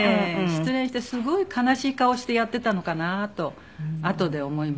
失恋してすごい悲しい顔をしてやっていたのかなとあとで思いまして。